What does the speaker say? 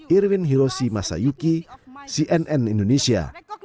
irwin hiroshi masayuki cnn indonesia